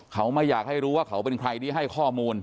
เขาไม่อยากให้รู้ว่าเขาเป็นใครที่ให้ข้อมูล